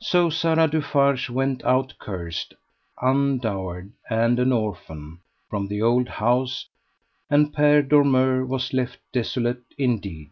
So Sara Dufarge went out cursed, undowered, and an orphan, from the old house, and Père Dormeur was left desolate indeed.